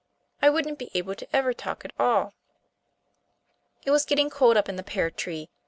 I wouldn't be able to ever talk at all." It was getting cold up in the pear tree.